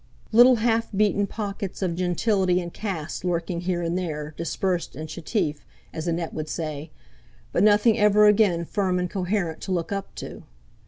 Little half beaten pockets of gentility and caste lurking here and there, dispersed and chetif, as Annette would say; but nothing ever again firm and coherent to look up to.